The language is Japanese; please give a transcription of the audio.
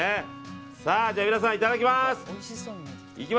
皆さん、いただきます！